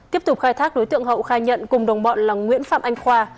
tiếp tục khai thác đối tượng hậu khai nhận cùng đồng bọn là nguyễn phạm anh khoa